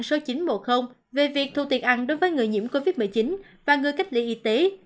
số chín trăm một mươi về việc thu tiền ăn đối với người nhiễm covid một mươi chín và người cách ly y tế